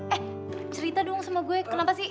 eh cerita dong sama gue kenapa sih